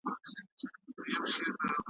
غوره کړی چا دوکان چا خانقاه ده ,